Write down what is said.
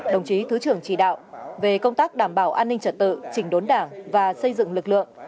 đồng chí thứ trưởng chỉ đạo về công tác đảm bảo an ninh trật tự trình đốn đảng và xây dựng lực lượng